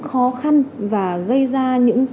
khó khăn và gây ra những